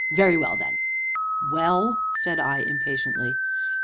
very well then!" "Well?" said I impatiently.